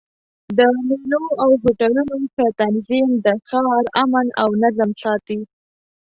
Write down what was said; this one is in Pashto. د مېلو او هوټلونو ښه تنظیم د ښار امن او نظم ساتي.